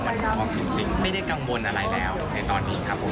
มันคือความจริงไม่ได้กังวลอะไรแล้วในตอนนี้ครับผม